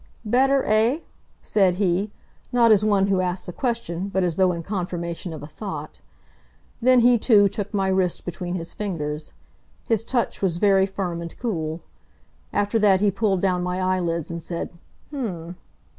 "Better, eh?" said he, not as one who asks a question, but as though in confirmation of a thought. Then he too took my wrist between his fingers. His touch was very firm and cool. After that he pulled down my eyelids and said, "H'm."